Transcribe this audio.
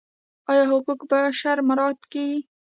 آیا حقوق بشر مراعات کیږي؟